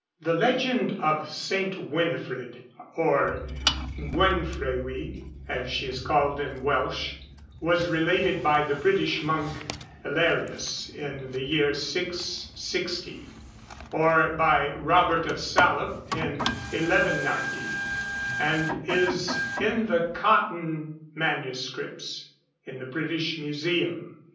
The legend of St. Winifred, or Gwenfrewi, as she is called in Welsh, was related by the British monk Elerius in the year 660, or by Robert of Salop in 1190, and is in the Cotton MSS. in the British Museum.